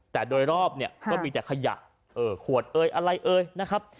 แต่โดยรอบเนี่ยก็มีแต่ขยะขวดเอ่ยอะไรเอ่ยนะครับ